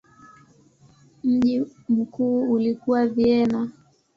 Mji mkuu ulikuwa Vienna.